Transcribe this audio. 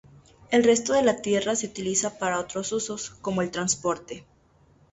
El resto de la tierra se utiliza para otros usos, como el transporte.